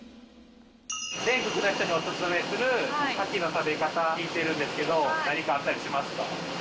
全国の人にお勧めするカキの食べ方聞いてるんですけど、何かあったりしますか？